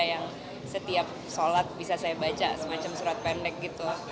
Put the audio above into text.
yang setiap sholat bisa saya baca semacam surat pendek gitu